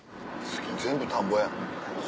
全部田んぼやん。